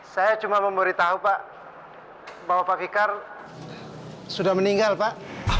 saya cuma memberitahu pak bahwa pak fikar sudah meninggal pak